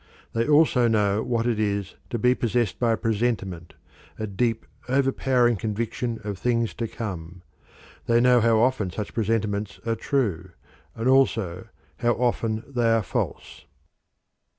They also know what it is to be possessed by a presentiment, a deep, overpowering conviction of things to come. They know how often such presentiments are true, and also how often they are false.